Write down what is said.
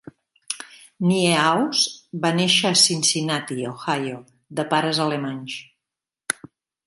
Niehaus va néixer a Cincinnati, Ohio, de pares alemanys.